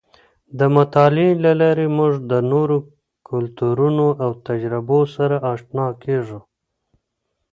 د مطالعې له لارې موږ د نورو کلتورونو او تجربو سره اشنا کېږو.